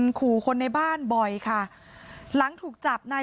พี่น้องของผู้เสียหายแล้วเสร็จแล้วมีการของผู้เสียหาย